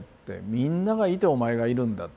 みんながいてお前がいるんだ。